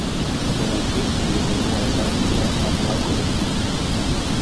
Horregatik, tiro eremua desagertzea eskatu du kolektiboak.